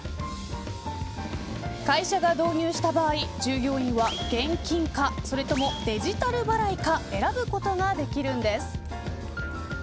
会社が導入した場合従業員は現金かそれともデジタル払いか選ぶことができるんです。